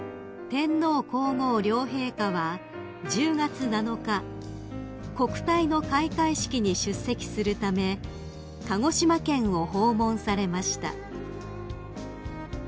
［天皇皇后両陛下は１０月７日国体の開会式に出席するため鹿児島県を訪問されました］